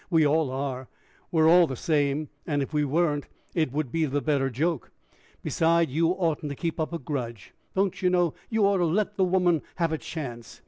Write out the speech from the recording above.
We all are; we're all the same. And, if he weren't, it would be the better joke. Besides, you oughtn't to keep up a grudge, don't you know; you ought to let the the woman have a chance.